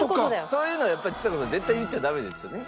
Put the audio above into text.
そういうのはやっぱりちさ子さん絶対言っちゃダメですよね？